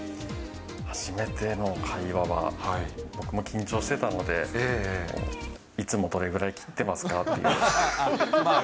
初めての会話は、僕も緊張してたので、いつもどれぐらい切ってますかっていう。